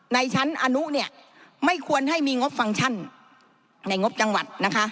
ในชั้นอนุเนี่ยไม่ควรให้มีงบฟังก์ชันในงบจังหวัดนะคะ